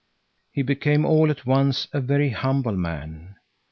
He became all at once a very humble man.